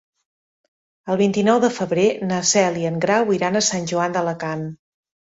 El vint-i-nou de febrer na Cel i en Grau iran a Sant Joan d'Alacant.